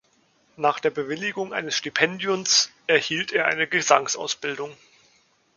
Nach der Bewilligung eines Stipendiums erhielt er eine Gesangsausbildung.